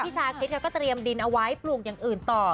ชาคริสก็เตรียมดินเอาไว้ปลูกอย่างอื่นต่อ